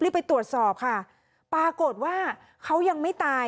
ไปตรวจสอบค่ะปรากฏว่าเขายังไม่ตาย